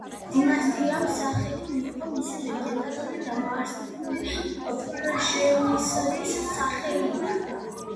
დინასტიამ სახელი მიიღო მისი ლეგენდარული დამაარსებლის პრჟემისლის სახელიდან.